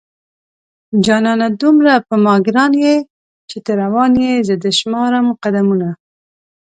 جانانه دومره په ما گران يې چې ته روان يې زه دې شمارم قدمونه